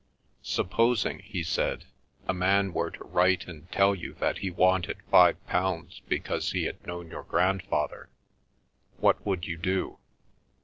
"Supposing," he said, "a man were to write and tell you that he wanted five pounds because he had known your grandfather, what would you do?